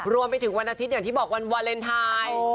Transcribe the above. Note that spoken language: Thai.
รวมไปถึงวันอาทิตย์อย่างที่บอกวันวาเลนไทย